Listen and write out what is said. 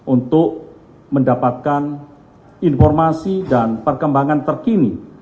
untuk mendapatkan informasi dan perkembangan terkini